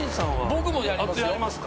僕もやりますよ。